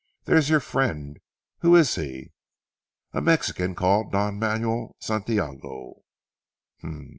"There's your friend. Who is he?" "A Mexican called Don Manuel Santiago."